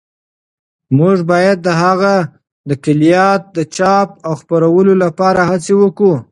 موږ باید د هغه د کلیات د چاپ او خپرولو لپاره هڅې وکړو.